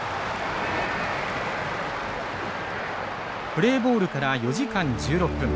プレーボールから４時間１６分。